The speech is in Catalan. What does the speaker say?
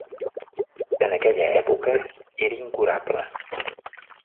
En aquella època era incurable.